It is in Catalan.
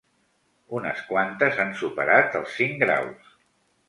Unes quantes han superat els cinc graus.